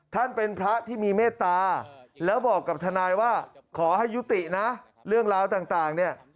ท่านเป็นพระที่มีเมตตาแล้วบอกกับทนายว่าขอให้ยุตินะเรื่องราวต่างเนี่ย